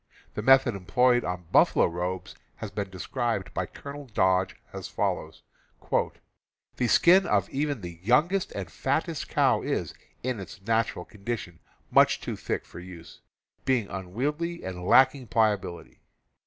The method employed on buf ,„ falo robes has been described by Col. Dodge as follows: "The skin of even the youngest and fattest cow is, in its natural condi tion, much too thick for use, being unwieldy and lack ing pliability.